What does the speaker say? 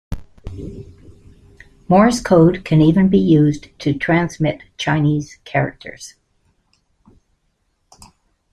Morse code can even be used to transmit Chinese characters.